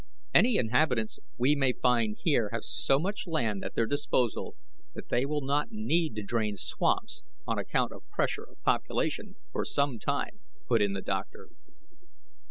"Any inhabitants we may find here have so much land at their disposal that they will not need to drain swamps on account of pressure of population for some time," put in the doctor.